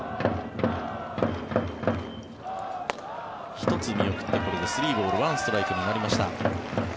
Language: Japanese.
１つ見送ってこれで３ボール１ストライクになりました。